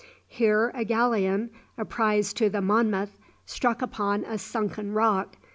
Here a galleon, a prize to the "Monmouth," struck upon a sunken rock.